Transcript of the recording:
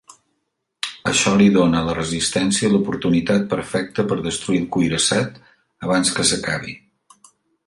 Això li dóna a la resistència l'oportunitat perfecta per destruir el Cuirassat abans que s'acabi.